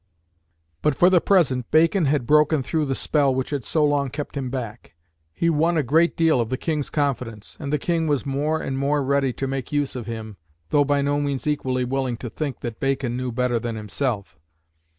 But for the present Bacon had broken through the spell which had so long kept him back. He won a great deal of the King's confidence, and the King was more and more ready to make use of him, though by no means equally willing to think that Bacon knew better than himself.